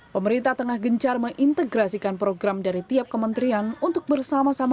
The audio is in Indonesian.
pemerintah tengah gencar mengintegrasikan program dari tiap kementerian untuk bersama sama